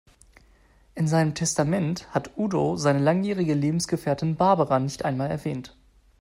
In seinem Testament hat Udo seine langjährige Lebensgefährtin Barbara nicht einmal erwähnt.